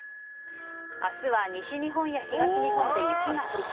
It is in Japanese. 明日は西日本や東日本で雪が降りそうです。